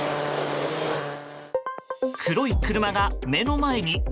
黒い車が目の前に。